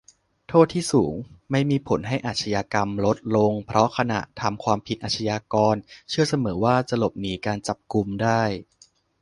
"โทษที่สูงไม่มีผลให้อาชญากรรมลดลง เพราะขณะทำความผิดอาชญากรเชื่อเสมอว่าจะหลบหนีการจับกุมได้"